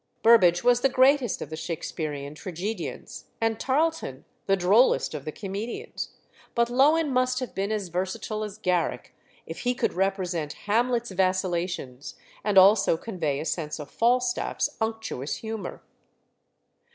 Burbage was the greatest of the Shaksperean tragedians, and Tarleton the drollest of the comedians; but Lowin must have been as versatile as Garrick if he could represent Hamlet's vacillations, and also convey a sense of Falstaff's unctuous humour.